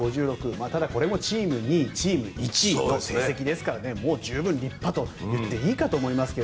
ただ、これもチーム２位チーム１位の成績ですからもう、十分立派と言っていいかと思いますが。